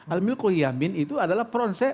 al milquhiyyamin itu adalah